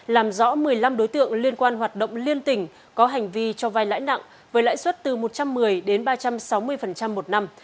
làm rõ một mươi năm đối tượng liên quan hoạt động liên tỉnh có hành vi cho vai lãi nặng với lãi suất từ một trăm một mươi đến ba trăm sáu mươi một năm